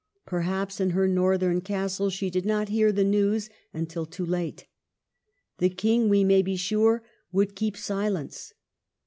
Perhaps in her northern castle she did not hear the news until too late; the King, we may be sure, would keep silence.